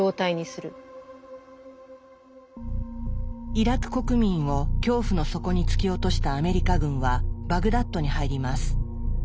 イラク国民を恐怖の底に突き落としたアメリカ軍はバグダッドに入ります。